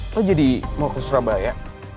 kok jadi mau ke surabaya